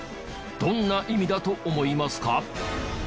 どんな意味だと思いますか？